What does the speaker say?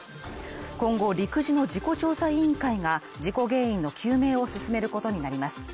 今後陸自の事故調査委員会が事故原因の究明を進めることになります。